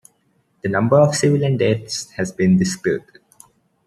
The number of civilian deaths has been disputed.